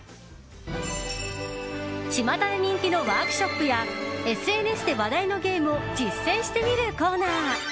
ちまたで人気のワークショップやＳＮＳで話題のゲームを実践してみるコーナー。